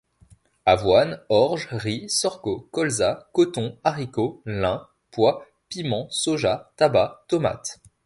Avoine, orge, riz, sorgho, colza, coton, haricot, lin, pois, piment, soja, tabac, tomate.